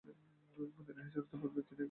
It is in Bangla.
মদিনা হিজরতের পূর্বে তিনি একজন আনসার হয়েছিলেন।